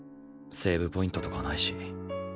セーブポイントとかないし。